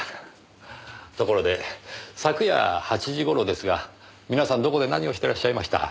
ところで昨夜８時頃ですが皆さんどこで何をしてらっしゃいました？